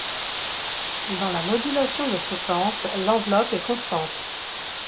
Dans la modulation de fréquence, l'enveloppe est constante.